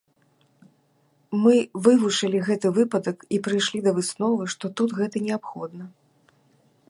Мы вывучылі гэты выпадак і прыйшлі да высновы, што тут гэта неабходна.